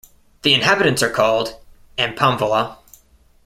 The inhabitants are called "Amponvillois".